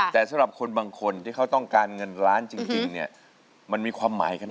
แต่สำหรับคนบางคนที่เขาต้องการเงินล้านจริงเนี่ยมันมีความหมายขนาดนี้